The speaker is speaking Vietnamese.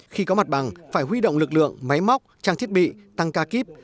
khi có mặt bằng phải huy động lực lượng máy móc trang thiết bị tăng ca kíp